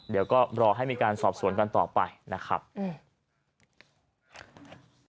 เดี๋ยวก็รอให้มีการสอบสวนกันต่อไปนะครับอืม